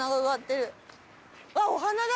あっお花だ！